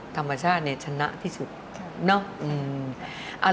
ธรรมชาติชนะที่สุดเนอะอืมฮ่า